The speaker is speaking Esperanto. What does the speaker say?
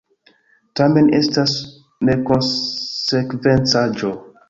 Tamen estas nekonsekvencaĵo.